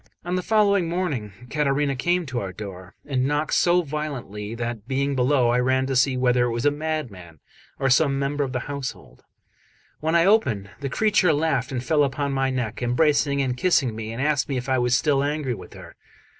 On the following morning Caterina came to our door, and knocked so violently, that, being below, I ran to see whether it was a madman or some member of the household. When I opened, the creature laughed and fell upon my neck, embracing and kissing me, and asked me if I was still angry with her.